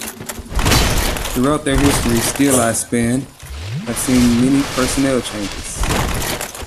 Throughout their history, Steeleye Span have seen many personnel changes.